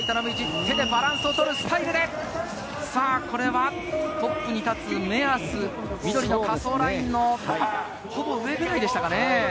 手でバランスを取るスタイルで、トップに立つ目安、緑の仮想ラインのほぼ上くらいでしたか。